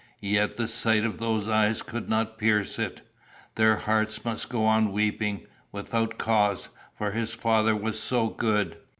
yet the sight of those eyes could not pierce it: their hearts must go on weeping without cause, for his Father was so good.